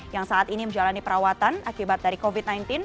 yang saat ini menjalani perawatan akibat dari covid sembilan belas